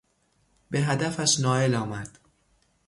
به هدفش نائل آمد.